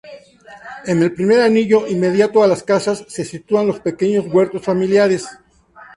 En el primer anillo, inmediato a las casas, se situaban los pequeños huertos familiares.